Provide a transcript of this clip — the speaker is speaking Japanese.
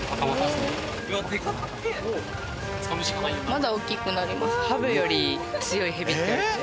まだ大きくなります。